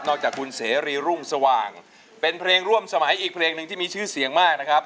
จากคุณเสรีรุ่งสว่างเป็นเพลงร่วมสมัยอีกเพลงหนึ่งที่มีชื่อเสียงมากนะครับ